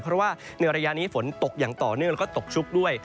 เพราะว่าในระยะนี้ฝนตกอย่างต่อเนื่องแล้วก็ตกชุกด้วย